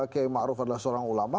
kayak ma'ruf adalah seorang ulama